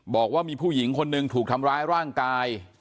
บอกว่ามีผู้หญิงคนหนึ่งถูกทำร้ายร่างกาย